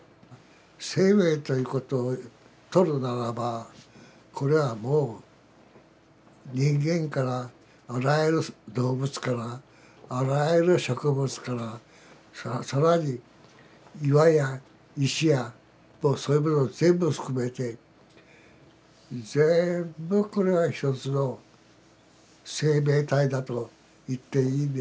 生命ということをとるならばこれはもう人間からあらゆる動物からあらゆる植物から更に岩や石やそういうものを全部含めて全部これは一つの生命体だと言っていいんですよね。